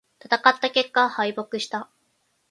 戦った結果、敗北した。